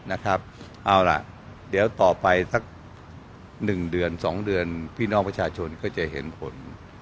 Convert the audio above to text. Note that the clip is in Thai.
เอาล่ะเดี๋ยวต่อไปสัก๑เดือน๒เดือนพี่น้องประชาชนก็จะเห็นผล